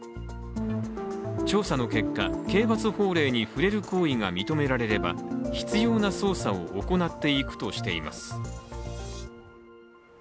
調査の結果、刑罰法令に触れる行為が認められれば必要な捜査を行っていくとしています。